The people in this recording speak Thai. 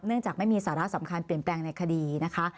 จากไม่มีสาระสำคัญเปลี่ยนแปลงในคดีนะคะ